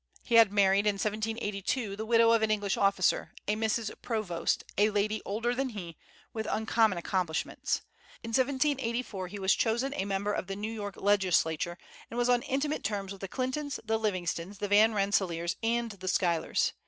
He had married, in 1782, the widow of an English officer, a Mrs. Provost, a lady older than he, with uncommon accomplishments. In 1784 he was chosen a member of the New York Legislature, and was on intimate terms with the Clintons, the Livingstons, the Van Rennselaers, and the Schuylers.